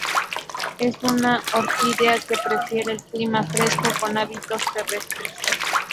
Es una orquídea que prefiere el clima fresco con hábitos terrestres.